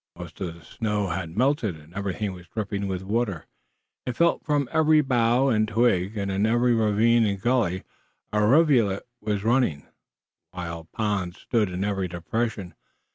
Most of the snow had melted and everything was dripping with water. It fell from every bough and twig, and in every ravine and gully a rivulet was running, while ponds stood in every depression.